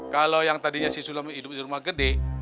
kalau yang tadinya si sulami hidup di rumah gede